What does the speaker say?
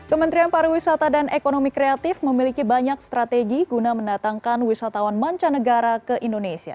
kementerian pariwisata dan ekonomi kreatif memiliki banyak strategi guna mendatangkan wisatawan mancanegara ke indonesia